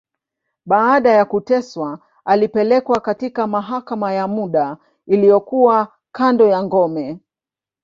Baada ya kuteswa, alipelekwa katika mahakama ya muda, iliyokuwa kando ya ngome.